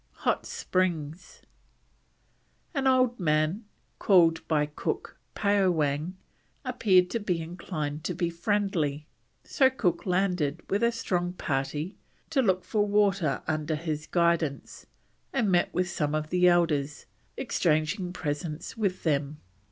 HOT SPRINGS. An old man, called by Cook Paowang, appeared to be inclined to be friendly, so Cook landed with a strong party to look for water under his guidance, and met with some of the elders, exchanging presents with them.